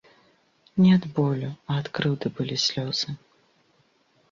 Не ад болю, а ад крыўды былі слёзы.